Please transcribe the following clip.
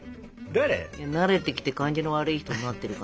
慣れてきて感じの悪い人になってる感じ？